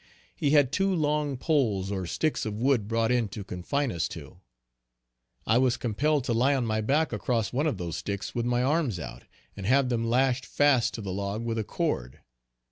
He had two long poles or sticks of wood brought in to confine us to. I was compelled to lie on my back across one of those sticks with my arms out, and have them lashed fast to the log with a cord.